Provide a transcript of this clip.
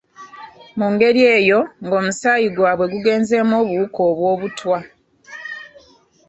Mu ngeri eyo ng’omusaayi gwabwe gugenzeemu obuwuka obw’obutwa.